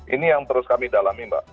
ini yang terus kami dalami mbak